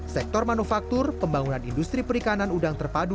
sektor manufaktur pembangunan industri perikanan udang terpadu